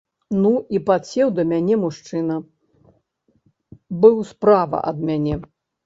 Ну і падсеў да мяне мужчына, быў справа ад мяне.